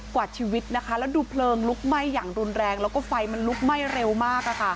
กว่าชีวิตนะคะแล้วดูเพลิงลุกไหม้อย่างรุนแรงแล้วก็ไฟมันลุกไหม้เร็วมาก